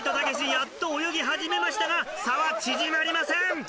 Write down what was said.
やっと泳ぎ始めましたが差は縮まりません！